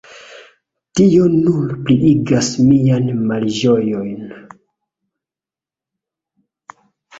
Tio nur pliigas mian malĝojon.